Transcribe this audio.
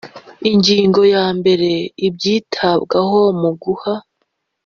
Ingingo ya mbere Ibyitabwaho mu guha